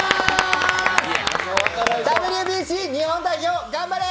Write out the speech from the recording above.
ＷＢＣ、日本代表頑張れ！